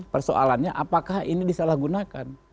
persoalannya apakah ini disalahgunakan